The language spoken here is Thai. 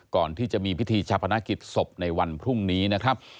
ก่อนที่จะมีพิธีชาพนักกิจศพในวันพรุ่งนี้นะครับ